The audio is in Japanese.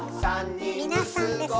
皆さんですよ。